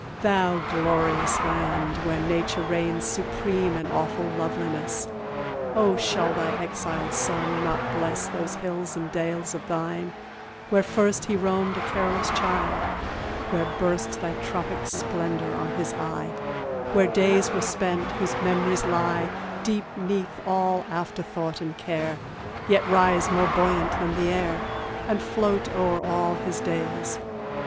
Thou glorious land! where Nature reigns Supreme in awful loveliness, O shall thy exiled son not bless Those hills and dales of thine, where first He roamed a careless child; where burst Thy tropic splendour on his eye; Where days were spent, whose mem'ries lie Deep 'neath all afterthought and care, Yet rise more buoyant than the air, And float o'er all his days?